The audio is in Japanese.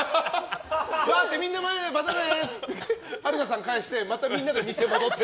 みんなまたねって言って春菜さん帰してまたみんなで店戻って。